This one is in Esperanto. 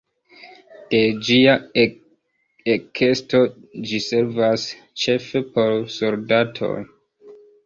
De ĝia ekesto ĝi servas ĉefe por soldatoj.